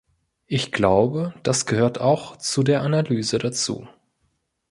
Ich glaube, das gehört auch zu der Analyse dazu.